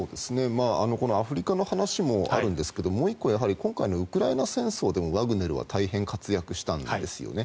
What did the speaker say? アフリカの話もあるんですがもう１個、今回のウクライナ戦争でもワグネルは大変活躍したんですよね。